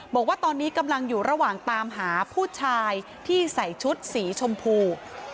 บอกว่าตอนนี้กำลังอยู่ระหว่างตามหาผู้ชายที่ใส่ชุดสีชมพู